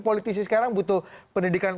politisi sekarang butuh pendidikan